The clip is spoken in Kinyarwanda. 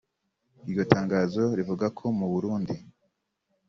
iryo tangazo rivuga ko mu Burundi